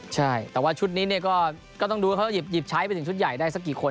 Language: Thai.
ใช่แต่ว่าชุดนี้เนี่ยก็ต้องดูว่าเขาหยิบใช้ไปถึงชุดใหญ่ได้สักกี่คน